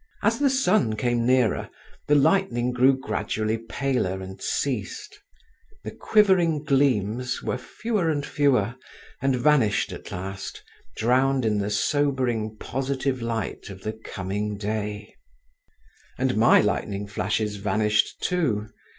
As the sun came nearer, the lightning grew gradually paler, and ceased; the quivering gleams were fewer and fewer, and vanished at last, drowned in the sobering positive light of the coming day…. And my lightning flashes vanished too.